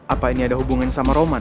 apa ini ada hubungan sama roman